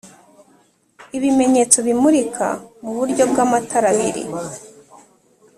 Ibimenyetso bimulika mu buryo bw'amatara abiri